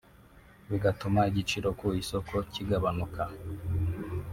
bigatuma igiciro ku isoko kigabanuka